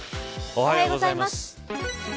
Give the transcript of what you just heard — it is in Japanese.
おはようございます。